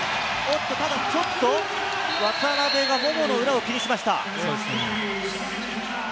おっと、ただちょっと、渡邊がももの裏を気にしました。